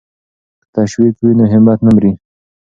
که تشویق وي نو همت نه مري.